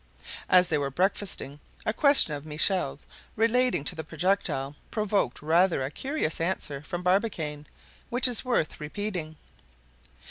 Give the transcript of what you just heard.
As they were breakfasting, a question of Michel's, relating to the projectile, provoked rather a curious answer from Barbicane, which is worth repeating.